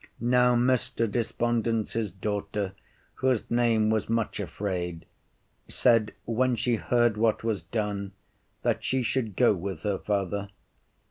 Now Mr. Despondency's daughter, whose name was Much afraid, said when she heard what was done, that she would go with her father.